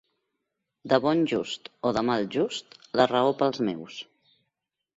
De bon just o de mal just, la raó pels meus.